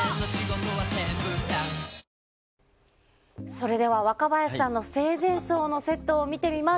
それでは、若林さんの生前葬のセットを見てみます。